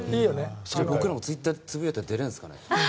僕らもツイッターでつぶやいたら出れるんですかね。